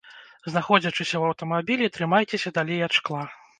Знаходзячыся ў аўтамабілі, трымайцеся далей ад шкла.